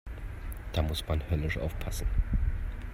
Da muss man höllisch aufpassen.